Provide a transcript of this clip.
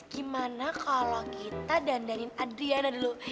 gimana kalo kita dandanin adriana dulu